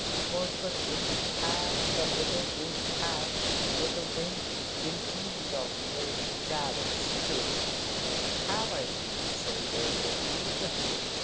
Was the green hat, the little green hat with the wing, indeed of Lady Jardine's choosing? Have I been so very rude?"